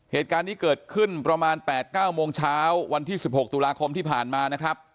เหตุการณ์นี้เกิดขึ้นประมาณ๘๙โมงเช้าวันที่๑๖ตุลาคมที่ผ่านมานะครับ